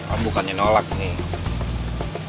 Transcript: om bukannya nolak nih